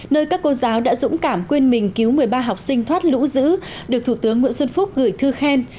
nơi các cô giáo đã dũng cảm quên mình cứu một mươi ba học sinh thoát lũ giữ được thủ tướng nguyễn xuân phúc gửi thư khen